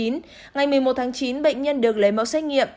ngày một mươi một tháng chín bệnh nhân được lấy mẫu xét nghiệm